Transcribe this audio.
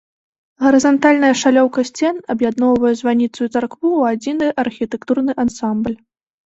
Гарызантальная шалёўка сцен аб'ядноўвае званіцу і царкву ў адзіны архітэктурны ансамбль.